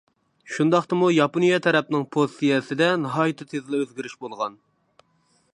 شۇنداقتىمۇ ياپونىيە تەرەپنىڭ پوزىتسىيەسىدە ناھايىتى تېزلا ئۆزگىرىش بولغان.